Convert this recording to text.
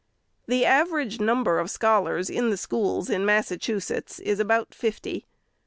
The average number of scholars in the schools in Mas sachusetts is about fifty.